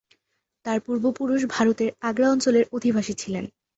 তার পূর্বপুরুষ ভারতের আগ্রা অঞ্চলের অধিবাসী ছিলেন।